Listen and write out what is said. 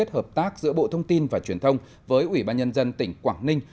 hợp tác giữa bộ thông tin và truyền thông với ủy ban nhân dân tỉnh quảng ninh